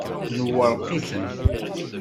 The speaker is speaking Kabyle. Nwerreq-iten.